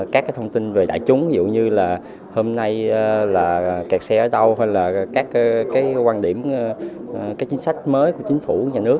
các cái thông tin về đại chúng dụ như là hôm nay là kẹt xe ở đâu hay là các cái quan điểm cái chính sách mới của chính phủ nhà nước